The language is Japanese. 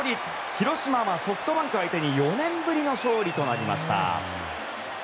広島はソフトバンク相手に４年ぶりの勝利となりました。